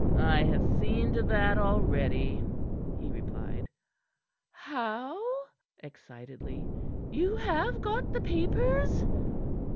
"I have seen to that already," he replied. "How?" excitedly. "You have got the papers?"